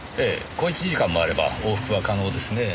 小一時間もあれば往復は可能ですねえ。